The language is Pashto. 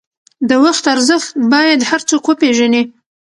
د وخت ارزښت باید هر څوک وپېژني.